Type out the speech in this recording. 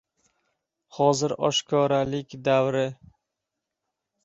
Hozir oshkoralik davri!